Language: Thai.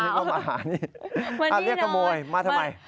นี่เอามาหานี่เรียกขโมยมาทำไม